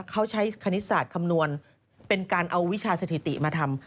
เขาใช้คณิตศาสตร์คำนวณเป็นการเอาวิชาสถิติมาทำ